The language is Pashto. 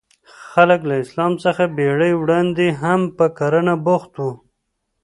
خلک له اسلام څخه پېړۍ وړاندې هم په کرنه بوخت وو.